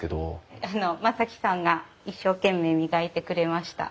あの真己さんが一生懸命磨いてくれました。